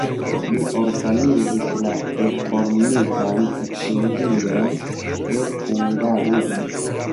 Li organizis la reformitan eklezion de Hungarujo.